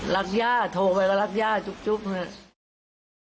รักหญ้าโทไปก็รักหญ้าจุ๊บเลย